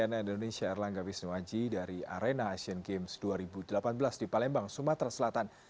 cnn indonesia erlangga wisnuwaji dari arena asian games dua ribu delapan belas di palembang sumatera selatan